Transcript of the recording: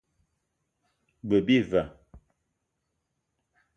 G-beu bi va.